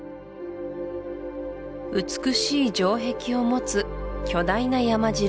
美しい城壁を持つ巨大な山城